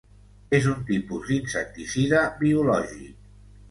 És un tipus d'insecticida biològic.